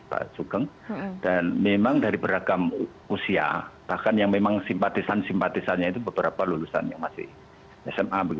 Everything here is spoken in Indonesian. pak sugeng dan memang dari beragam usia bahkan yang memang simpatisan simpatisannya itu beberapa lulusan yang masih sma